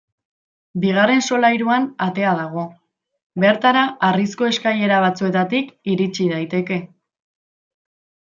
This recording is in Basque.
Bigarren solairuan atea dago, bertara harrizko eskailera batzuetatik iritsi daiteke.